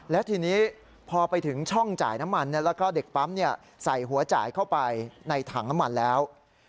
และทีนี้พอไปถึงช่องจ่ายน้ำมันแล้วก็เด็กปั๊มใส่หัวจ่ายเข้าไปในถังน้ำมันแล้ว